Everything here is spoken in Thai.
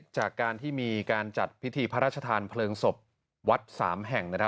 จากการที่มีการจัดพิธีพระราชทานเพลิงศพวัด๓แห่ง